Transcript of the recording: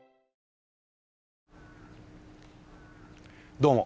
どうも。